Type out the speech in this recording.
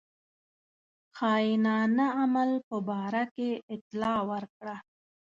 خاینانه عمل په باره کې اطلاع ورکړه.